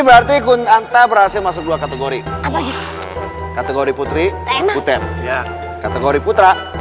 berarti kunanta berhasil masuk dua kategori kategori putri kategori putra